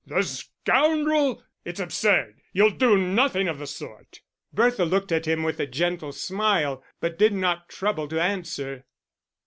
"The scoundrel! It's absurd. You'll do nothing of the sort." Bertha looked at him with a gentle smile, but did not trouble to answer.